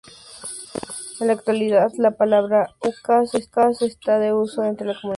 En la actualidad la palabra Aucas esta en desuso entre la comunidad amazónica ecuatoriana.